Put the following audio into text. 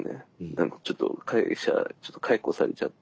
何かちょっと会社ちょっと解雇されちゃって。